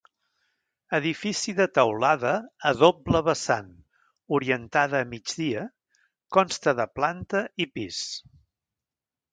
Edifici de teulada a doble vessant, orientada a migdia, consta de planta i pis.